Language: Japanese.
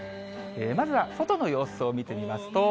まずは外の様子を見てみますと。